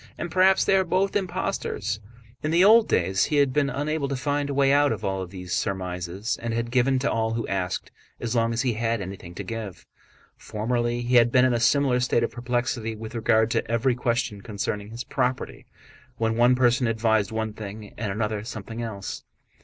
And perhaps they are both impostors?" In the old days he had been unable to find a way out of all these surmises and had given to all who asked as long as he had anything to give. Formerly he had been in a similar state of perplexity with regard to every question concerning his property, when one person advised one thing and another something else.